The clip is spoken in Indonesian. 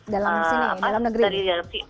dalam sini dalam negeri